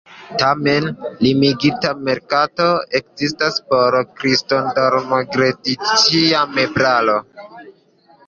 Tamen, limigita merkato ekzistas por kristodorn-glediĉia meblaro.